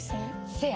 せや。